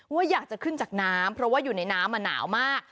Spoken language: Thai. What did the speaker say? ว่าอยากจะขึ้นจากน้ำเพราะว่าอยู่ในน้ำหนาวมาก